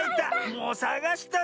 もうさがしたぞ。